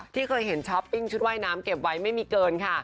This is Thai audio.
ที่เคยเห็นช้อปปิ้งชุดว่ายน้ำเก็บไว้ไม่มีเกินค่ะ